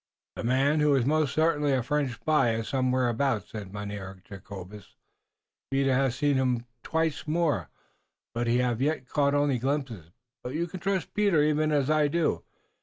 "The man, who is most certainly a French spy, is somewhere about," said Mynheer Jacobus. "Peter haf seen him twice more, but he haf caught only glimpses. But you can trust Peter even as I do.